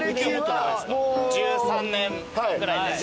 １３年ぐらい？